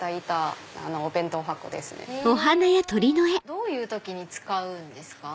どういう時に使うんですか？